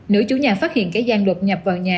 nữ chủ nhà phát hiện kẻ gian đột nhập vào nhà